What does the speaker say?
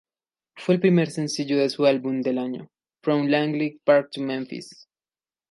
Fue el primer sencillo de su álbum del año, "From Langley Park to Memphis".